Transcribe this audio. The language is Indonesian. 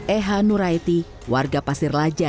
eha nuraiti warga pasir laja